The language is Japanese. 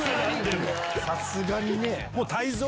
さすがにね。